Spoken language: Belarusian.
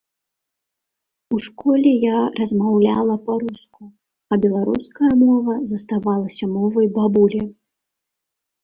У школе я размаўляла па-руску, а беларуская мова заставалася мовай бабулі.